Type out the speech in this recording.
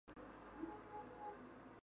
Su nombre simbólico fue Máximo Gorki.